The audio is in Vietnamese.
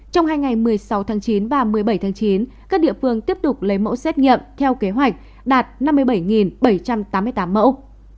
trong hai ngày một mươi sáu tháng chín và một mươi bảy tháng chín các địa phương tiếp tục lấy mẫu xét nghiệm theo kế hoạch đạt năm mươi bảy bảy trăm tám mươi tám mẫu